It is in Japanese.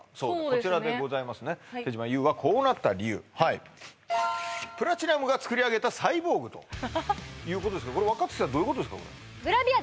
こちらでございますね手島優はこうなった理由はい「プラチナムが創り上げたサイボーグ」ということですがこれ若槻さんどういうことですか？